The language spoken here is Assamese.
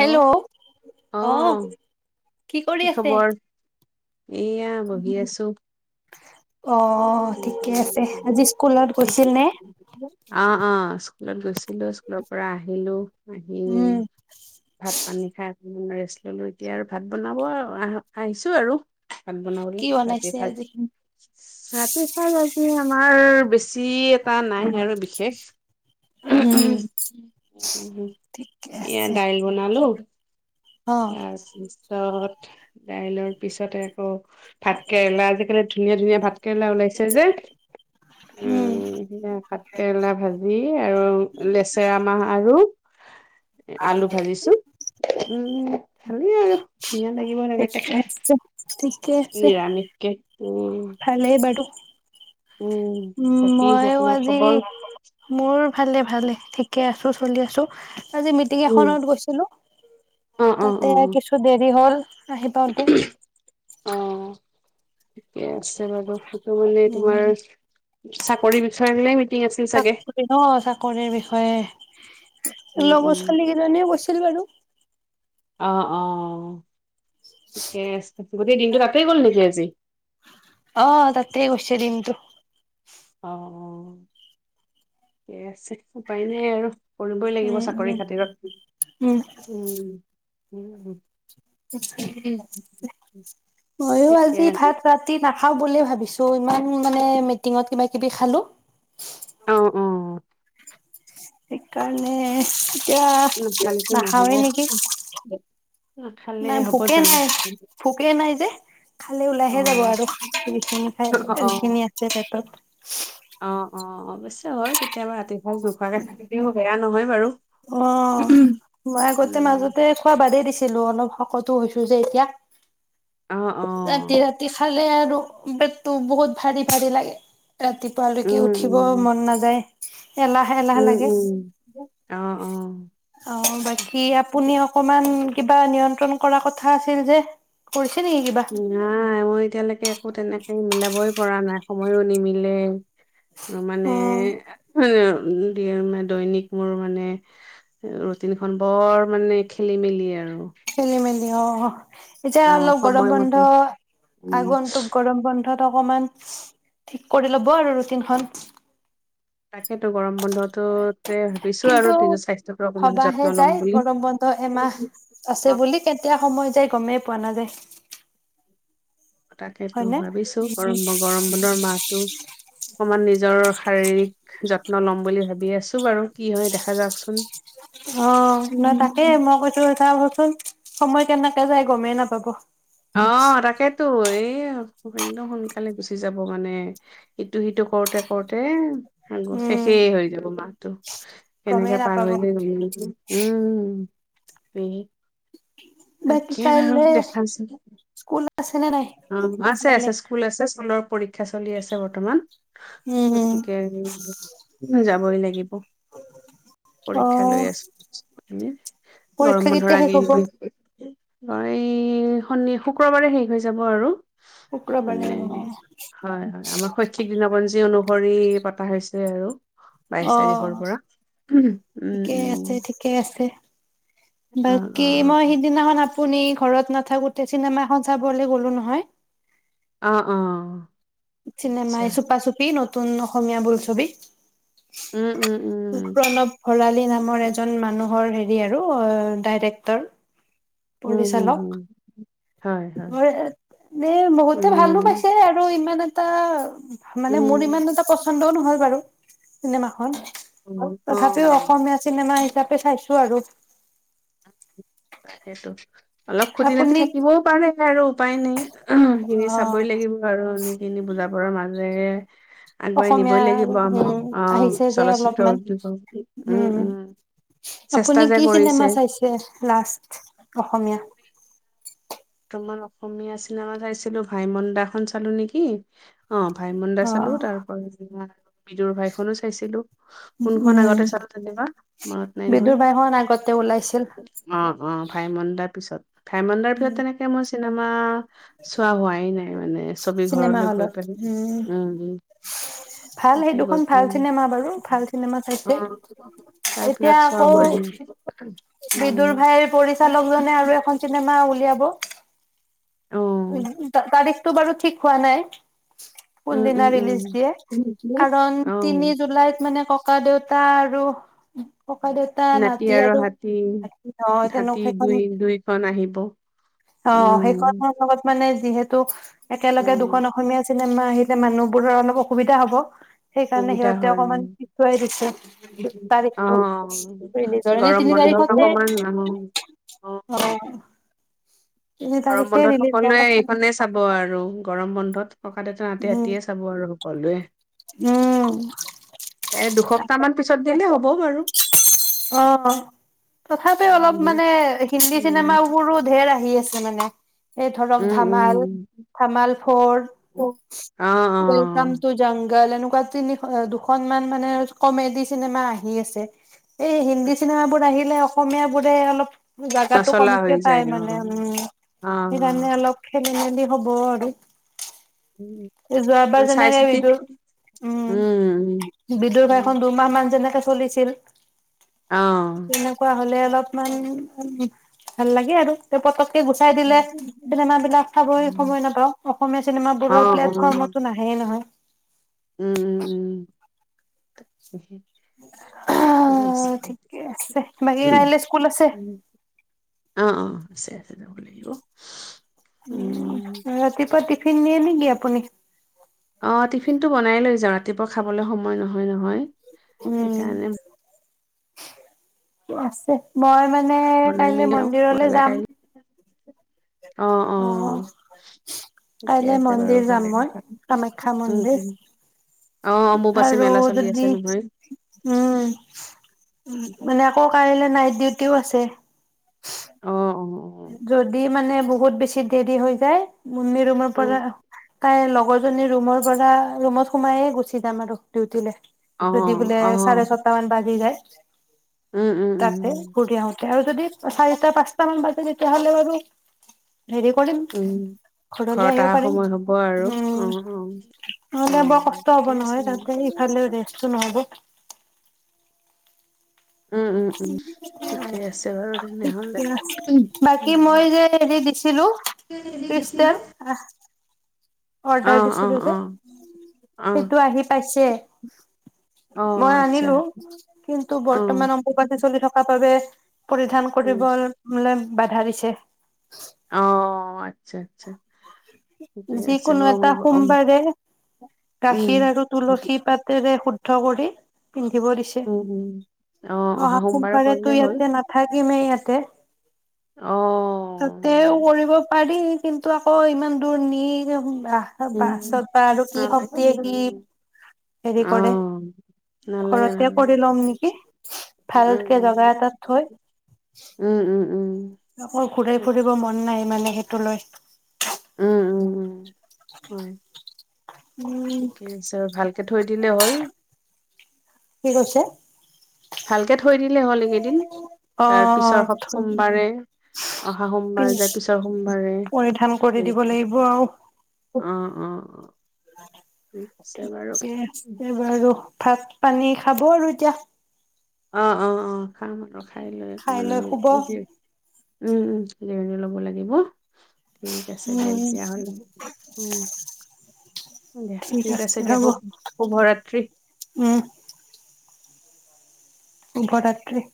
হেল্ল' অ অহ কি কৰি আছে? এয়া বহি আছো। অ ঠিকে আছে আজি স্কুলত গৈছিল নে? অ অ। স্কুলত গৈছিলো, স্কুলৰ পৰা আহিলো। আহিলো উম ভাত পানী খাই হুম ৰেচ ইস্তল লৈ এতিয়া আৰু ভাত বনাব আৰু, আহ, আহিছো আৰু। ভাত বনাবলে কি ৰাতি বনাইছে সাজ, আজি? চাত। পিছফাল ৰাতি আমাৰ বেছি এটা নাই আৰু বিশেষ, উম উঃ উঃ, ঠিকে এয়া আছে দাইল বনালো। অ তাৰ পিছত দাইলৰ। পিছতে আকৌ। ভাত কেৰেলা আজিকালি ধুনীয়া ধুনীয়া ভাত কেৰেলা ওলাইছে যে, উম ভাত কেৰেলা ভাজি আৰু লেচেৰা মাহ আৰু। আলু ভাজিছো, উ। ভালে আৰু ধুনীয়া লাগিব এনেকে খাই থিক। ইৰাণীক কে ভালে বাৰু উম বাকী মইও আপোনাৰ আজি খবৰ মোৰ ভালে ভালে ঠিক ঠিকে আছোঁ চলি আছোঁ আজি মিটিং উম এখনত গৈছিলো অ অ তাতে কিছু দেৰি হ'ল আহি পাওতে অ ঠিকে আছে বাৰু সেইটো মানে তোমাৰ উম চাকৰি বিষয়ালে মিটিং আছিল চাগে চাকৰি ন চাকৰিৰ বিষয়ে উম উম লগৰ ছোৱালী কেইজনীও কৈছিল বাৰু অহ অ ঠিকে আছে গোটেই দিনটো তাতেই গ'ল নেকি আজি অ তাতে গৈছে দিনটো অ অ ঠিক আছে উপায় নাই আৰু কৰিবই লাগিব উম চাকৰি উম খাতিৰত উম উম উম উ মইও ঠিকে আজি আছে ভাত ৰাতি না খাও বুলিয়ে ভাবিছো ইমান মানে মিটিঙত কিবা কিবি খালো অ অ সেইকাৰণে এতিয়া নাখালেতো নহ'ব নাখাওঁৱে নেকি নাখালে নাই হ'ব ভোকে জানো নাই ভোকে নাই যে খালে অ ওলাইহে যাব আৰু যিখিনি খাই অ অ যিখিনি আছে পেটত অ অ অৱশ্যে হয় কেতিয়াবা ৰাতি নোখোৱাকে থাকি দিও বেয়া নহয় বাৰু অ মই আগতে উম মাজতে খোৱা বাদেই দি ছিলো অলপ শকতটো হৈছো যে এতিয়া অ অ ৰাতি ৰাতি খা লে আৰু পেটটো বহুত ভাৰি ভাৰি লাগে। ৰাতিপুৱালৈকে উম উঠিব মন নাযায় [unintelligible] এলাহ এলাহ উম উম লাগে উম অ অ বাকী আপুনি অকমান অ কিবা নিয় ম কৰা কথা আছিল যে পৰি নাই মই এতিয়ালৈকে একো তেনে মিলাবই পৰা নাই সময়ো নিমিলে মানে অ উম দিয়ে মানে দৈনিক মোৰ মানে ৰুটিন খন বৰ মানে খেলি মেলি আৰু খেলি মেলি ইঅ এতিয়া অ অলপ গৰম সময়মতে বন্ধ, উম, আগন্তুক গৰম বন্ধ তত অকমান ঠিক কৰি ল'ব আৰু ৰুটিনখন। তাকেতো গৰম বন্ধটোত ভাবিছোঁ আৰু কিন্তু নিজৰ স্বাস্থ্যত অকমান ভবাহে যত্ন ল'ম যায় বুলি। গৰম বন্ধ এমাহ আছে বুলি কেতিয়া সময় যায় গমেই পোৱা নাযায়। তাকেইতোঁ, হয়নে? ভাবিছোঁ, উম গৰম ব গৰম বন্ধৰ মাহটো অকমান নিজৰ শাৰীৰিক যত্ন ল'ম বুলি ভাবি আছোঁ বাৰু, কি হয় দেখা যাওকচোন। অ' নহৈ তাকে, মই কৈছোঁ এটা হ'বচোন। সময় কেনেকে যায় গমেই নাপাব। অ' তাকেতো এই একদম সোনকালে গুচি যাব মানে, ইটো সিটো কৰোঁতে কৰোঁতে। আকৌ উম, শেষেই হৈ যাব মাহটো। গমেই কেনেকে পাৰ নাপাব। হৈ যায় গমেই নাপাও, উম! সেই বাকী একে বাৰু কাইলে দেখাচোন, স্কুল আছে নে নাই? অ আছে কাইলে। আছে স্কুল আছে স্কুলৰ পৰীক্ষা চলি আছে বৰ্তমান। উম, উম, গতিকে যাবই লাগিব, পৰীক্ষা লৈ অ', আছোঁ আমি গৰম পৰীক্ষা বন্ধৰ কেতিয়া শেষ আগে হ'ব? এই শনি, শুক্ৰবাৰে শেষ হৈ যাব আৰু। শুক্ৰবাৰে মানে অ'। হয়, হয় আমাৰ শৈক্ষিক দিনপঞ্জী অনু ভৰি পতা হৈছে আৰু বাইশ অ তাৰিখৰ পৰা উম ঠিকেই উম আছে, ঠিকেই আছে, অ অ বাকী মই সিদিনাখন আপোনাৰ পোনি ঘৰত নাথাকোতে, চিনেমাখন চাবলে গ'লো নহয়। অ'! অ'! চিনেমা আচ্ছা এই চুপা চুপী নতুন নতুন অসমীয়া বোলছবি উম! উম! উম! ভৰালি নামৰ এজন মানুহৰ হেৰি আৰু, ডাইৰেক্টৰ। উম হম পৰিচালক, হম হয় হয় এনে বহুতে উম ভালোঁ পাইছে, আৰু ইমান এটা তা মানে মোৰ উম ইমান এটা পচন্দও নহ'ল বাৰু। চিনেমাখন! উম অ তথাপিও অসমীয়া চিনেমা হিচাপে চাইছোঁ। আৰু। সেইটো অলপ খুতি নাতি আপুনি থাকিবও পাৰে আৰু, উপায় নাই, সেইখিনি অ চাবই লাগিব আৰু সেখিনি, বুজাবোৰৰ মাজেৰে। আগুৱাই নিবই অসমীয়া লাগিব আমাৰ উম অ আহিছে যে চলচ্চিত্ৰ অলপমান উদ্যোগক উম চেষ্টা আপুনি যে কি কৰিছে চিনেমা চাইছে লাষ্ট অসমীয়া অকমান অসমীয়া চিনেমা চাইছিলো ভাই মন্দা খন চালো নেকি অ ভাইমন্দা অ চালো তাৰ পৰা বিদুৰ ভাইখনো চাইছিলো কোনখন উম আগতে চালো তেনেবা মনত নাই নহয় বিদুৰ বাইখন আগতে ওলাইছিল অ অ ভাইমন্দাৰ পিছত ভাইমন্দাৰ ভিতৰত উম তেনেকে মই চিনেমা চোৱা হোৱাই নাই মানে ছবি চিনেমা ঘৰলৈ গৈ হলত পেলাই উম উম ভাল সেই তাতে গৈ দুখন ভাল পেলাই চিনেমা বাৰু ভাল চিনেমা অ চাইছে তাৰ এতিয়া পিছত চোৱা আকৌ হোৱাই নাই উম বিদুৰ ভাইৰ পৰিচালকজনে আৰু এখন চিনেমা উলিয়াব অ উম তা তাৰ ৰি তো বাৰু ঠিক খোৱা নাই কোন উম উম দিনা উম ৰিলিজ দিয়ে কাৰণ অ তিনি জুলাইত মানে ককা দেউতা আৰু ককাই দেউতা নাতি আৰু ন ন তেওঁন হাতী সেইখন দুই দুইখন আহিব অ সেইখন উম লগত মানে যিহেতু ত একেলগে দুখন উম অসমীয়া আছিল চিনেমা আহিলে মানুহবোৰৰ অলপ অসুবিধা হ'ব সেইকাৰণে সুবিধা সিহঁতে হয় উম অকমান পিছোৱাই দিছে অ তাৰিখটো লিজৰনে গৰম তিনি বন্ধত তাৰিখতে অকমান অ অ তিনি গৰম তাৰিখে বন্ধত ৰিলিজ হোৱা সকলোৱে কথা আছিল। এইখনে চাব আৰু গৰম বন্ধত ককা দেউতা নাতি উম। সেতিয়ে চাব আৰু অলোৱে উম এ দুসপ্তাহ মান পিছত দিলে হ'ব হ'ব বাৰু অ তথাপি অলপ উম মানে হিন্দী চিনেমা উম বোৰো ধেই আহি আছে জানানে এই ধৰক উম ধামাল উম ধামাল ফৰ অ অ ওৱেলকাম টু জংগল এনেকোৱা তিনি দুখন মান মানে কমেডি চিনেমা আহি আছে এই হিন্দী চিনেমাবোৰ আহিলে অসমীয়া বোৰে অলপ জাগাটো নচলা কমকে হৈ পাই যায় অ মানে উম অ সেইকাৰণে অলপ খেলি মেলি হব আৰু উম যোৱাবাৰ অকন চাই যেনেকে চিতি বিদুৰ উম উ বিদুৰ ভাইখন দুমাহ মান যেনেকে চলিছিল তেনেকুৱা হলে অলপ মান ভাল লাগে আৰু পতকে গুচাই দিলে অ চিনেমাবিলাক চাবই সময় অ নাপাওঁ। অসমীয়া চিনেমাবোৰৰ অ প্লেটফৰ্মতো নাহেয় নহয় উম উম উম। ঠিক আছে ঠিকে আছে বাকী কাইলে স্কুল আছে অ অ আছে আছে যাব লাগিব উম ৰাতিপুৱা টি টিফিন নিয়ে নেকি আপুনি অ টিফিনটো বনাই লৈ যাওঁ ৰাতিপুৱা খাবলৈ সময় নহয় নহ! হয় উম সেইকাৰণে। আছে মই মানে! মানে বনাই কাইলৈ মেলি আৰু গৈ মন্দিৰলে পেলাই যাম। কাইলৈ [unintelligible] অ অঁ ঠিকে কাইলে আছে বাৰু মন্দিৰ যাম ভালে মই কথা কামাখ্যা উম মন্দিৰ উম অ অম্বুবাচী আৰু মেলা চলি আছে যদি নহয় উম মানে আকৌ। কাইলে নাইট ডিউটিও আছে। অঁ অঁ। যদি মানে। বহুত বেছি দেৰি হৈ যায়। মন্দিৰ ৰ উম পৰা, তাইৰ লগৰ জনী ৰুমৰ পৰা ৰুমত সোমাইয়ে গুচি যাম আৰু ডিউটিলৈ।। অ যদি বোলে অ চাৰে ছটা মান বাজি যায়। উম উম তাতে উম ঘুৰি আহোতে আৰু যদি চাৰিটা পাঁচটা মান বাজি। তেতিয়া হ'লে বাৰু! হেৰি কৰিম উম ঘৰলৈ ঘৰত আহিব অহা পাৰিম। সময় হ'ব আৰু অ উম অ অ নহ'লে বৰ কষ্ট ঠিকে হব আছে নহয় তাতে ইফালে ৰেষ্টটো নহ'ব উম উম উম ঠিকে আছে বাৰু তেনেহলে বাকী উম মই যে হেৰি দিছিলো দিছিলো কিষ্টেল আহ। অ অৰ্ডাৰ অ দিছিলো অ যে অ সেইটো আহি পাইছে। অ মই আচ্ছা আনিলো কিন্তু অ বৰ্তমান অম্বোবাচি চলি থকা বাবে পৰিধান উম কৰিবলে। বাধা দিছে। অঁহ আচ্ছা আচ্ছা। ঠিকে আছে যিকোনো বাৰু এটা মোৰ উম সোমবাৰে। গাখীৰ আৰু উম তুলসী পাতেৰে শু। ঠ কৰি। পিন্ধিব দিছে, উম অ অহা সোমবাৰে সোনবাৰে তই কৰিলেই হ'ল ইয়াতে নাথাকিমে ইতে। ক। অ তাতেও কৰিব পাৰি। কিন্তু আকৌ ইমান দূৰ নি বা উম বাছত বা আৰু কি হক। অ নালাগে নালে ন ঘৰতে কৰি ল'ম নেকি উ উ ভালকে জেগা এটাত থৈ উম, উম। উম উম। আকৌ ঘূৰাই ফুৰিব মন নাই মানে সেইটো লৈ। উম উম উম। হয়। উম কে হৈছে আৰু ভাল তকে থৈ দিলে হ'ল। কি কৈছে। ভালকে থ- থৈ দিলে হ'ল এইকেইদিন অ তাৰ পিছৰ সোমবাৰে, অহা পিন সোমবাৰ যাৰ পিছৰ সোমবাৰে, পৰিধান কৰি দিব লাগিব অ। অ ঠিক আছে বাৰু কেছে বাৰু। ভাত পানী খাব আৰু এতিয়া। অ অ, অ খাম আৰু। খাই লৈ খাই লৈ শুব মানে কি উম, উম। জিৰণি লব লাগিব। ঠিক আছে দিয়া উম তেতিয়াহলে উম। দিয়া ঠিক আছে দিয়া শু শুভ ৰাত্ৰি। উম শুভৰাত্ৰি।